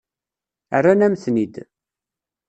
Rran-am-ten-id.